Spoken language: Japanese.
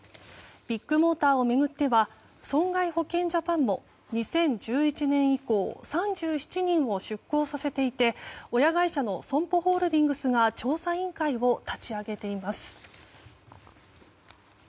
ビッグモーターを巡っては損害保険ジャパンも２０１１年以降３７人を出向させていて親会社のＳＯＭＰＯホールディングスが調査委員会を立ち上げています。